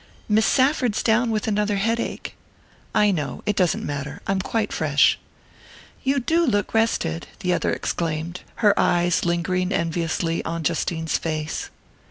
"Miss Safford's down with another headache." "I know: it doesn't matter. I'm quite fresh." "You do look rested!" the other exclaimed, her eyes lingering enviously on Justine's face.